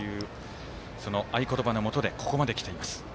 その合言葉のもとでここまできています。